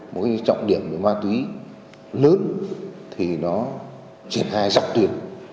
một cái trọng điểm về ma túy lớn thì nó triển hài rạc tuyển